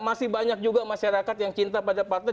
masih banyak juga masyarakat yang cinta pada partai